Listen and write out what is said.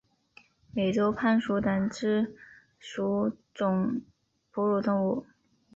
美洲攀鼠属等之数种哺乳动物。